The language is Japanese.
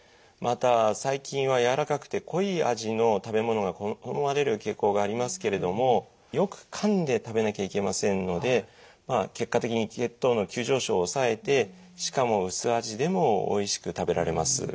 また最近はやわらかくて濃い味の食べ物が好まれる傾向がありますけれどもよくかんで食べなきゃいけませんので結果的に血糖の急上昇を抑えてしかも薄味でもおいしく食べられます。